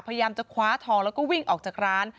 พยายามจะคว้าทองแล้วก็วิ่งออกจากร้าน